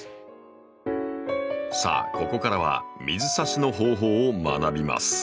さあここからは水挿しの方法を学びます。